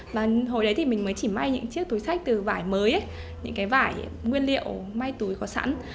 và hồi đấy thì mình mới chỉ may những chiếc túi sách từ vải mới ấy những cái vải nguyên liệu may túi có sẵn